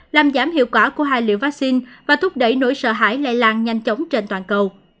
làm giảm hiệu quả của hai liều vaccine và thúc đẩy nỗi sợ hãi lây lan nhanh chóng trên toàn cầu